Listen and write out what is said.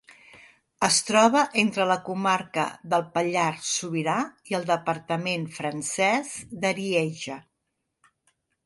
Es troba entre la comarca del Pallars Sobirà i el departament francès d'Arieja.